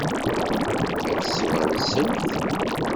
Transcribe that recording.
Ad tt-twansemt?